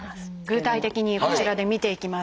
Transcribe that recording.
具体的にこちらで見ていきましょう。